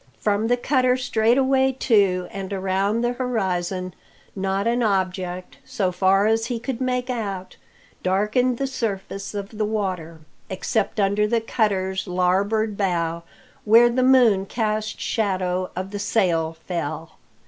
From the cutter straight away to and around the horizon not an object, so far as he could make out, darkened the surface of the water, except under the cutter's larboard bow, where the moon cast shadow of the sail fell.